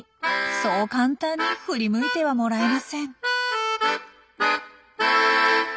そう簡単に振り向いてはもらえません。